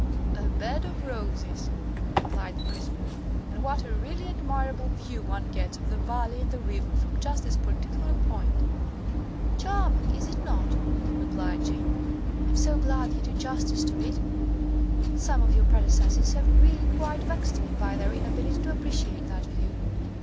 "A bed of roses," replied the prisoner. "And what a really admirable view one gets of the valley and the river, from just this particular point!" "Charming, is it not?" replied Jeanne. "I'm so glad you do justice to it. Some of your predecessors have really quite vexed me by their inability to appreciate that view.